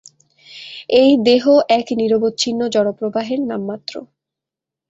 এই দেহ এক নিরবচ্ছিন্ন জড়প্রবাহের নামমাত্র।